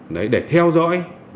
để theo dõi